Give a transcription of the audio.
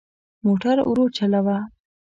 موټر ورو چلوه.